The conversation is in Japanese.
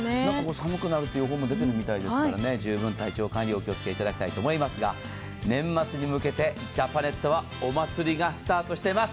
寒くなるという予報も出ているみたいですから十分、体調管理、お気をつけいただきたいと思いますが年末に向けてジャパネットはお祭りがスタートしてます。